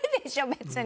別に。